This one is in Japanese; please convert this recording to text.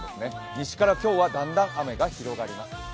西から今日はだんだん雨が広がります。